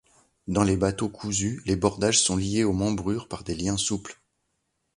Dans les bateaux cousus, les bordages sont liés aux membrures par des liens souples.